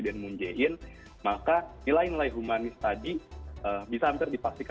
keen fungusible terakhirnya bisa terjadi kejadian di zona demilitarisas gave itu